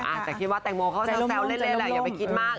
อาจจะคิดว่าแตงโมเขาแซวเล่นแหละอย่าไปคิดมาก